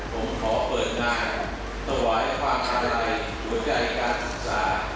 ผมขอเปิดหน้าถวายความอาลัยหัวใจการศึกษา